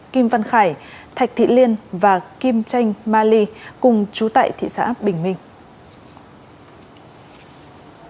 kim văn khải thạch thị liên và kim chanh ma ly cùng chú tại thị xã bình minh